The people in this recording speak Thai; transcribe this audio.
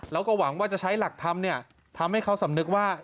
แล้วก็หวังว่าจะใช้หลักธรรมเนี่ยทำให้เขาสำนึกว่า